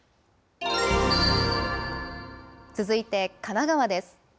続いて神奈川です。